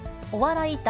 お笑い